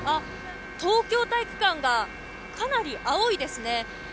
東京体育館、かなり青いですね。